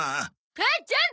母ちゃん！